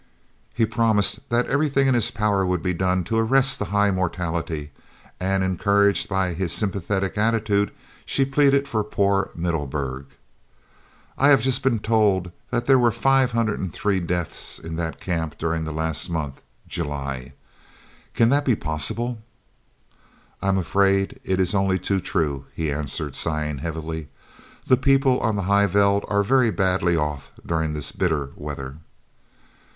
He promised that everything in his power would be done to arrest the high mortality, and, encouraged by his sympathetic attitude, she pleaded for "poor Middelburg." "I have just been told that there were 503 deaths in that Camp during last month [July]. Can that be possible?" "I am afraid it is only too true," he answered, sighing heavily. "The people on the High Veld are very badly off during this bitter weather."